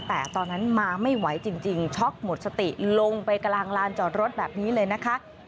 แต่ตอนนั้นมาไม่ไหวจริงช็อกหมดสติลงไปกลางลานจอดรถแบบนี้เลยนะคะ